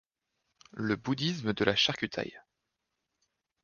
Le bouddhisme de la charcutaille.